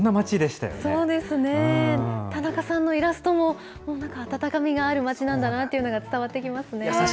たなかさんのイラストも、なんか温かみがある町なんだなというのが伝わってきますね。